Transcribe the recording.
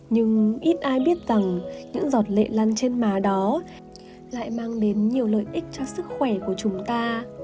nhưng ít ai biết rằng những giọt lệ lăn trên má đó lại mang đến nhiều lợi ích cho sức khỏe của chúng ta